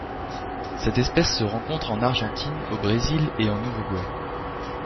Cette espèce se rencontre en Argentine, au Brésil et en Uruguay.